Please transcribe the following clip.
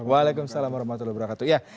waalaikumsalam warahmatullahi wabarakatuh